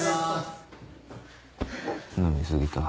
飲み過ぎた。